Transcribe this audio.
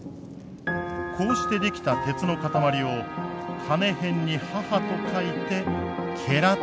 こうして出来た鉄の塊を金偏に母と書いてと呼ぶ。